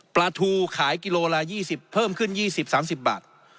ปลาทูขายกิโลละ๒๐เพิ่มขึ้น๒๐๓๐บาท